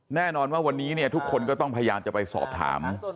แน่นอนว่าวันนี้เนี่ยทุกคนก็ต้องพยายามจะไปสอบถาม